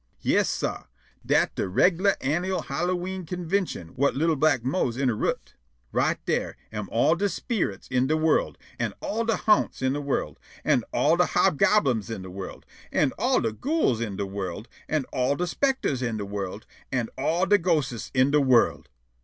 Yas, sah; dat de reg'lar annyul Hallowe'en convintion whut li'l' black Mose interrup'. Right dar am all de sperits in de world, an' all de ha'nts in de world, an' all de hobgoblins in de world, an' all de ghouls in de world, an' all de spicters in de world, an' all de ghostes in de world.